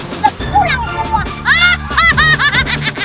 sudah pulang semua